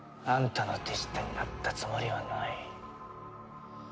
あんたの手下になったつもりはない。